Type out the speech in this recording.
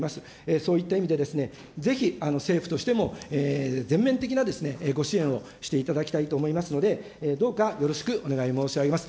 そういった意味でぜひ政府としても全面的なご支援をしていただきたいと思いますので、どうかよろしくお願い申し上げます。